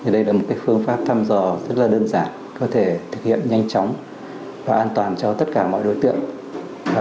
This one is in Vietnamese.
đây là một phương pháp thăm dò rất đơn giản có thể thực hiện nhanh chóng và an toàn cho tất cả mọi đối tượng